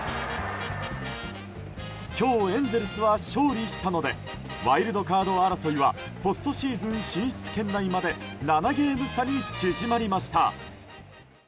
今日、エンゼルスは勝利したのでワイルドカード争いはポストシーズン進出圏内まで７ゲーム差に縮まりました。